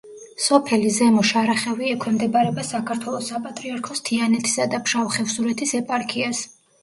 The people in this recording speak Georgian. სოფელი ზემო შარახევი ექვემდებარება საქართველოს საპატრიარქოს თიანეთისა და ფშავ-ხევსურეთის ეპარქიას.